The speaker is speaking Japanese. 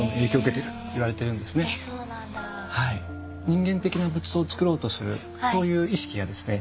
人間的な仏像を造ろうとするそういう意識がですね